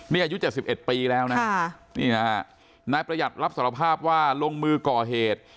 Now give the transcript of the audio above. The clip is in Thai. นี่อายุ๗๑ปีแล้วนะนี่นะฮะนายประหยัดรับสารภาพว่าลงมือก่อเหตุ